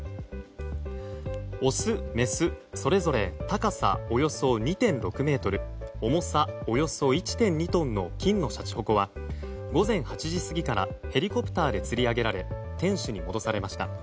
オス・メスそれぞれ高さおよそ２．６ｍ重さおよそ１．２トンの金のしゃちほこは午前８時過ぎからヘリコプターでつり上げられ天守に戻されました。